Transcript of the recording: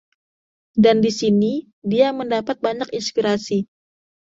Dan di sini, dia mendapat banyak inspirasi.